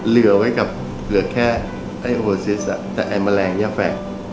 เหลือไว้กับเหลือแค่ไอโอซิสอ่ะแต่ไอมะแรงเนี้ยแฝ่ง